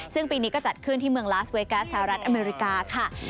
ซึ่งปีนี้ก็จัดขึ้นที่เมืองลาสเวกัสสหรัฐอเมริกาค่ะ